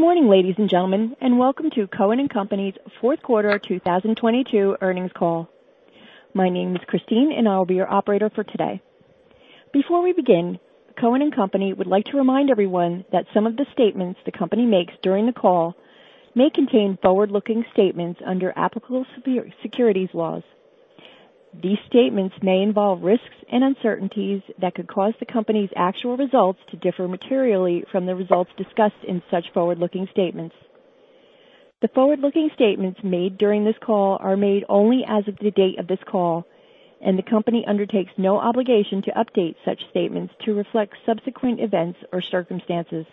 Good morning, ladies and gentlemen, and welcome to Cohen & Company's Fourth Quarter 2022 Earnings Call. My name is Christine, I'll be your operator for today. Before we begin, Cohen & Company would like to remind everyone that some of the statements the company makes during the call may contain forward-looking statements under applicable securities laws. These statements may involve risks and uncertainties that could cause the company's actual results to differ materially from the results discussed in such forward-looking statements. The forward-looking statements made during this call are made only as of the date of this call, the company undertakes no obligation to update such statements to reflect subsequent events or circumstances.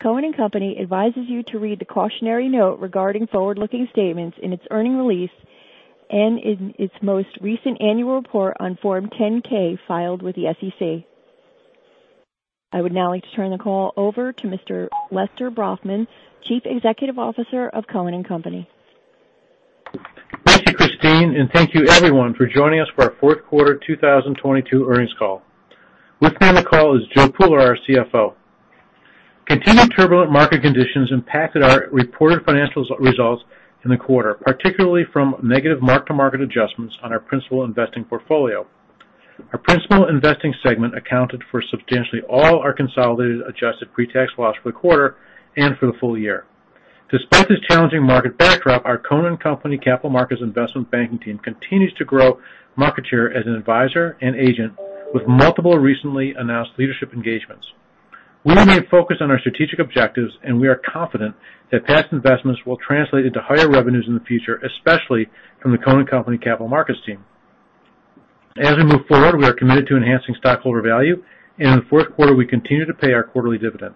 Cohen & Company advises you to read the cautionary note regarding forward-looking statements in its earning release and in its most recent annual report on Form 10-K filed with the SEC. I would now like to turn the call over to Mr. Lester Brafman, Chief Executive Officer of Cohen & Company. Thank you, Christine, and thank you everyone for joining us for our fourth quarter 2022 earnings call. With me on the call is Joe Pooler, our CFO. Continued turbulent market conditions impacted our reported financial results in the quarter, particularly from negative mark-to-market adjustments on our principal investing portfolio. Our principal investing segment accounted for substantially all our consolidated adjusted pre-tax loss for the quarter and for the full year. Despite this challenging market backdrop, our Cohen & Company Capital Markets investment banking team continues to grow market share as an advisor and agent with multiple recently announced leadership engagements. We remain focused on our strategic objectives, and we are confident that past investments will translate into higher revenues in the future, especially from the Cohen & Company Capital Markets team. As we move forward, we are committed to enhancing stockholder value, and in the fourth quarter, we continue to pay our quarterly dividend.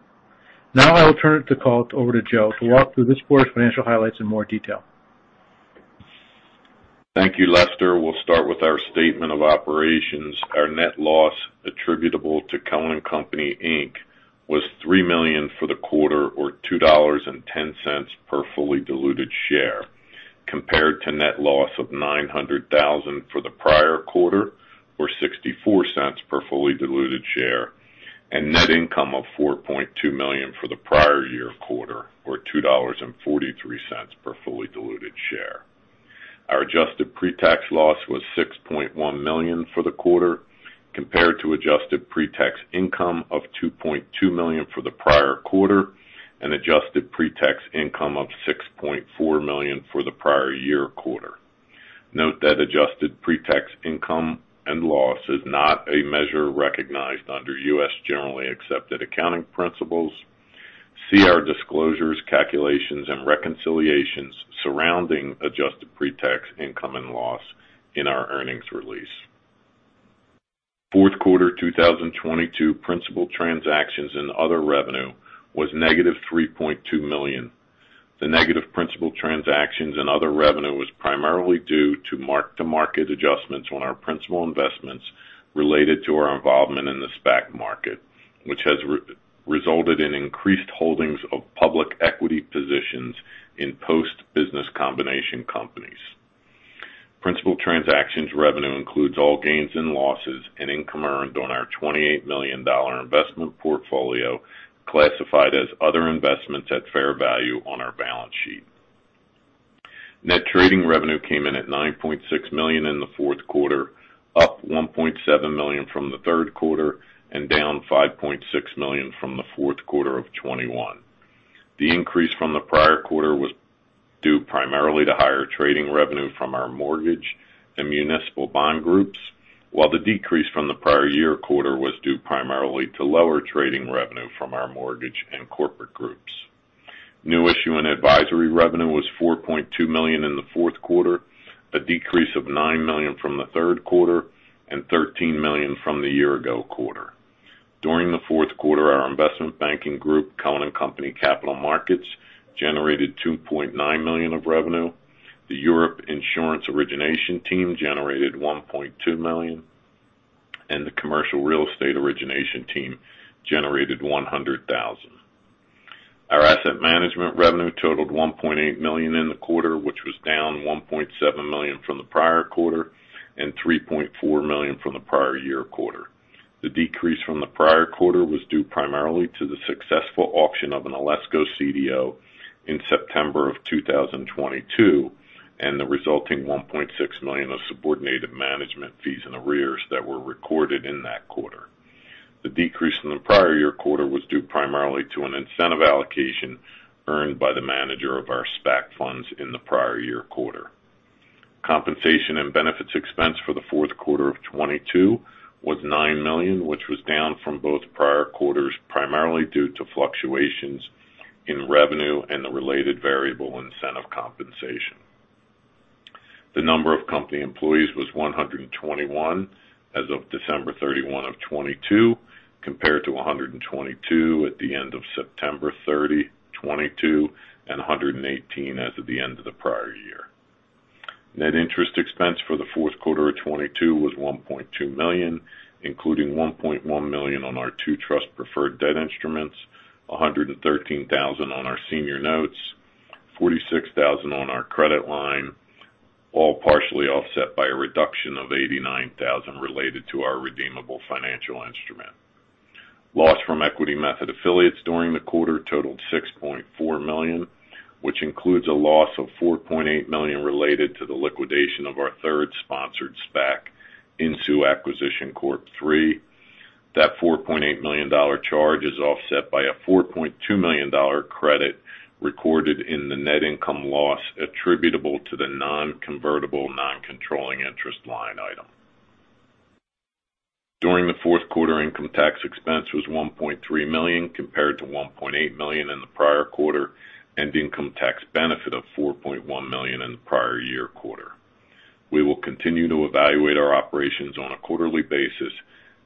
Now I will turn the call over to Joe to walk through this quarter's financial highlights in more detail. Thank you, Lester. We'll start with our statement of operations. Our net loss attributable to Cohen & Company Inc. was $3 million for the quarter, or $2.10 per fully diluted share, compared to net loss of $900,000 for the prior quarter, or $0.64 per fully diluted share, and net income of $4.2 million for the prior year quarter, or $2.43 per fully diluted share. Our adjusted pre-tax loss was $6.1 million for the quarter, compared to adjusted pre-tax income of $2.2 million for the prior quarter and adjusted pre-tax income of $6.4 million for the prior year quarter. Note that adjusted pre-tax income and loss is not a measure recognized under U.S. Generally Accepted Accounting Principles. See our disclosures, calculations, and reconciliations surrounding adjusted pre-tax income and loss in our earnings release. Fourth quarter 2022 principal transactions and other revenue was -$3.2 million. The negative principal transactions and other revenue was primarily due to mark-to-market adjustments on our principal investments related to our involvement in the SPAC market, which has re, resulted in increased holdings of public equity positions in post-business combination companies. Principal transactions revenue includes all gains and losses and income earned on our $28 million investment portfolio classified as other investments at fair value on our balance sheet. Net trading revenue came in at $9.6 million in the fourth quarter, up $1.7 million from the third quarter and down $5.6 million from the fourth quarter of 2021. The increase from the prior quarter was due primarily to higher trading revenue from our Mortgage and Municipal Bond Groups, while the decrease from the prior year quarter was due primarily to lower trading revenue from our Mortgage and Corporate Groups. New issue and advisory revenue was $4.2 million in the fourth quarter, a decrease of $9 million from the third quarter and $13 million from the year ago quarter. During the fourth quarter, our investment banking group, Cohen & Company Capital Markets, generated $2.9 million of revenue. The Europe Insurance Origination Team generated $1.2 million, and the Commercial Real Estate Origination team generated $100,000. Our asset management revenue totaled $1.8 million in the quarter, which was down $1.7 million from the prior quarter and $3.4 million from the prior year quarter. The decrease from the prior quarter was due primarily to the successful auction of an Alesco CDO in September 2022 and the resulting $1.6 million of subordinated management fees in arrears that were recorded in that quarter. The decrease in the prior year quarter was due primarily to an incentive allocation earned by the manager of our SPAC funds in the prior year quarter. Compensation and benefits expense for the fourth quarter of 2022 was $9 million, which was down from both prior quarters, primarily due to fluctuations in revenue and the related variable incentive compensation. The number of company employees was 121 as of December 31, 2022, compared to 122 at the end of September 30, 2022, and 118 as of the end of the prior year. Net interest expense for the fourth quarter of 2022 was $1.2 million, including $1.1 million on our two trust preferred debt instruments, $113,000 on our senior notes, $46,000 on our credit line, all partially offset by a reduction of $89,000 related to our redeemable financial instrument. Loss from equity method affiliates during the quarter totaled $6.4 million, which includes a loss of $4.8 million related to the liquidation of our third sponsored SPAC, INSU Acquisition Corp. III. That $4.8 million charge is offset by a $4.2 million credit recorded in the net income loss attributable to the non-convertible non-controlling interest line item. During the fourth quarter, income tax expense was $1.3 million compared to $1.8 million in the prior quarter, income tax benefit of $4.1 million in the prior year quarter. We will continue to evaluate our operations on a quarterly basis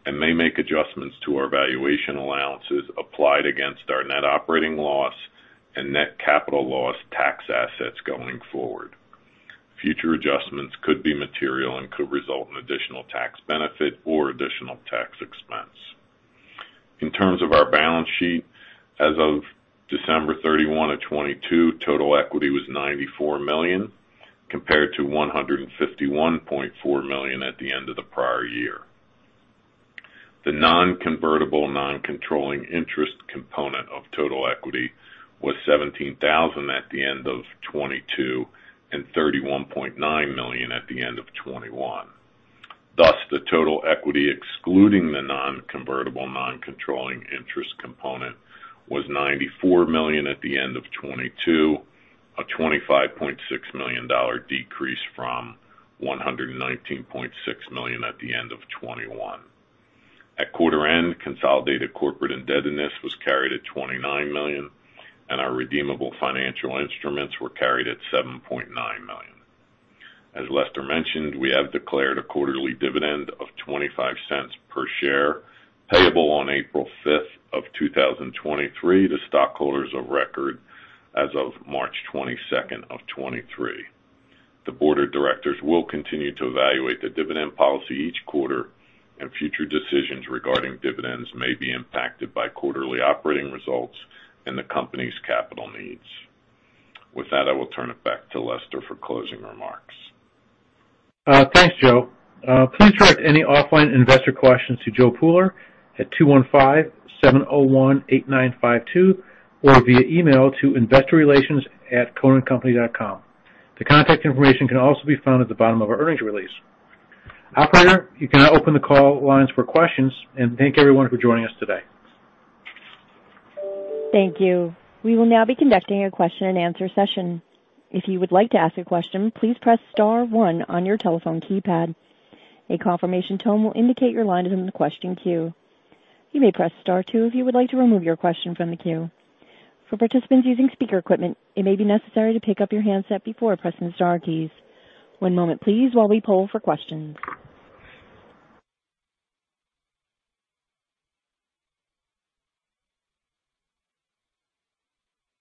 and may make adjustments to our valuation allowances applied against our net operating loss and net capital loss tax assets going forward. Future adjustments could be material and could result in additional tax benefit or additional tax expense. In terms of our balance sheet, as of December 31, 2022, total equity was $94 million compared to $151.4 million at the end of the prior year. The non-convertible non-controlling interest component of total equity was $17,000 at the end of 2022 and $31.9 million at the end of 2021. Thus, the total equity excluding the non-convertible non-controlling interest component was $94 million at the end of 2022, a $25.6 million decrease from $119.6 million at the end of 2021. At quarter end, consolidated corporate indebtedness was carried at $29 million, and our redeemable financial instruments were carried at $7.9 million. As Lester mentioned, we have declared a quarterly dividend of $0.25 per share payable on April 5, 2023 to stockholders of record as of March 22, 2023. The Board of Directors will continue to evaluate the dividend policy each quarter, and future decisions regarding dividends may be impacted by quarterly operating results and the company's capital needs. With that, I will turn it back to Lester for closing remarks. Thanks, Joe. Please direct any offline investor questions to Joe Pooler at 215-701-8952 or via email to investorrelations@cohenandcompany.com. The contact information can also be found at the bottom of our earnings release. Operator, you can now open the call lines for questions, and thank everyone for joining us today. Thank you. We will now be conducting a question-and-answer session. If you would like to ask a question, please press star one on your telephone keypad. A confirmation tone will indicate your line is in the question queue. You may press star two if you would like to remove your question from the queue. For participants using speaker equipment, it may be necessary to pick up your handset before pressing the star keys. One moment please while we poll for questions.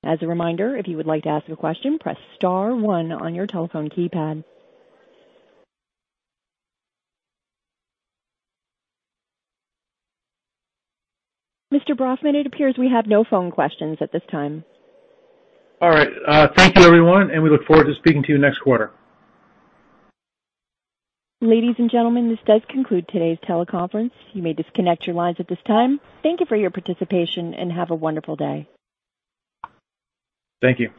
As a reminder, if you would like to ask a question, press star one on your telephone keypad. Mr. Brafman, it appears we have no phone questions at this time. All right. Thank you, everyone, and we look forward to speaking to you next quarter. Ladies and gentlemen, this does conclude today's teleconference. You may disconnect your lines at this time. Thank you for your participation, and have a wonderful day. Thank you.